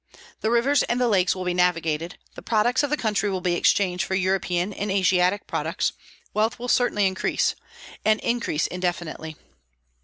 The rivers and the lakes will be navigated; the products of the country will be exchanged for European and Asiatic products; wealth will certainly increase, and increase indefinitely.